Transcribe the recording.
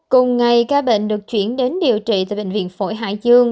cùng ngày ca bệnh được chuyển đến điều trị tại bệnh viện phổi hải dương